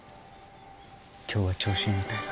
今日は調子いいみたいだ。